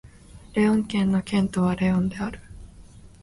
レオン県の県都はレオンである